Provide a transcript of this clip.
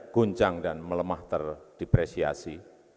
goncang dan melemah terdepresiasi